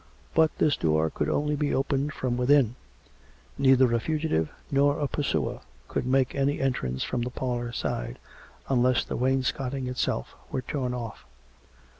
But this door could only be opened from within. Neither a fugitive nor a pursuer could make any entrance from the parlour side, unless the wainscoting itself were torn oflF.